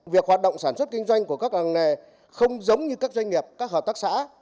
việc hoạt động sản xuất kinh doanh của các làng nghề không giống như các doanh nghiệp các hợp tác xã